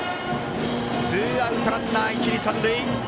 ツーアウトランナー、一塁三塁。